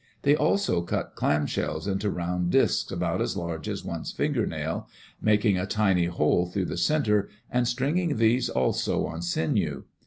They also cut clam shells into round disks about as large as one's fingernail, making a tiny hole through the center, and stringing these also on sinew.